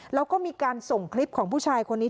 แล้วก็มีการส่งคลิปของผู้ชายคนนี้